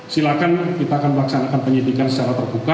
silakan kita akan melaksanakan penyelidikan secara terbukti